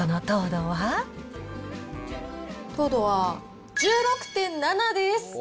糖度は１６．７です。